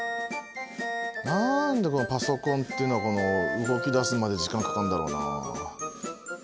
何でこのパソコンってのはこの動きだすまで時間かかんだろうな。